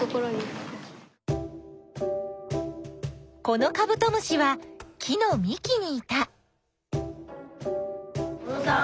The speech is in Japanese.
このカブトムシは木のみきにいた。